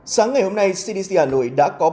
sáng ngày hôm nay cdc hà nội đã có